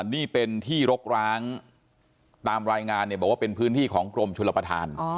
นี่เป็นที่รกร้างตามรายงานเนี่ยบอกว่าเป็นพื้นที่ของกรมชลประธาน